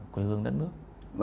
quê hương đất nước